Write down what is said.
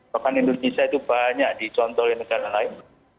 bahkan indonesia itu banyak dicontohi negara lain